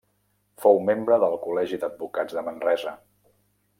Fou membre del col·legi d'advocats de Manresa.